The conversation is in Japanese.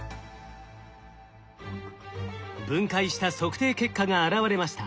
分解した測定結果が現れました。